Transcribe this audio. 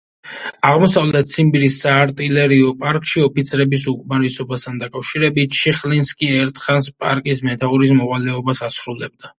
აღმოსავლეთ-ციმბირის საარტილერიო პარკში ოფიცრების უკმარისობასთან დაკავშირებით, შიხლინსკი ერთხანს პარკის მეთაურის მოვალეობას ასრულებდა.